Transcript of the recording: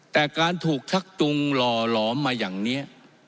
แต่การถูกชักตุงหล่อหลอมมาอย่างนี้